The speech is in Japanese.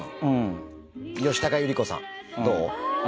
吉高由里子さん、どう？